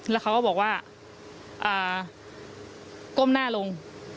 แล้วเขาก็บอกว่าก้มหน้าลง